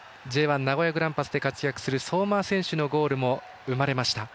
Ｊ１名古屋グランパスで活躍する相馬選手のゴールも生まれました。